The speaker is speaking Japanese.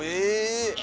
え！